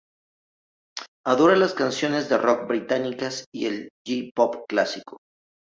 Adora las canciones de rock británicas y el J-pop clásico.